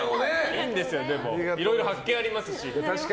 いいんですよいろいろ発見ありますし。